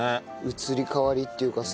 移り変わりっていうかさ。